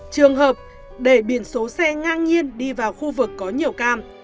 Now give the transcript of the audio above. trường hợp để biển số xe ngang nhiên đi vào khu vực có nhiều cam